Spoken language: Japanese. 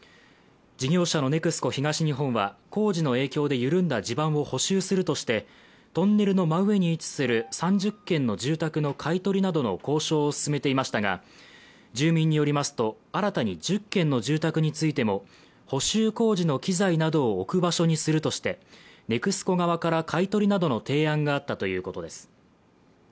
事業者のＮＥＸＣＯ東日本は、工事での影響で緩んだ地盤を補修するとしてトンネルの真上に位置する３０軒の住宅の買い取りなどの交渉を進めていましたが、新たに１０軒の住宅についても、補修工事の機材などを置く場所にするとしてＮＥＸＣＯ側から買い取りなどの提案があったということです。